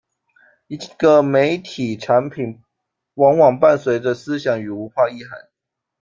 一个媒体产品往往伴随着思想与文化意涵。